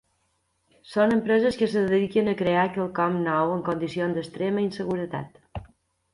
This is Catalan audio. Són empreses que es dediquen a crear quelcom nou en condicions d'extrema inseguretat.